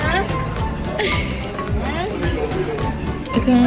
สวัสดีครับ